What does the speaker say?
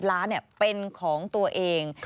ล้านเป็นของตัวเอง